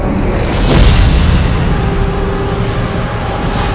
kau tidak akan menjadi seorang raja pajacaran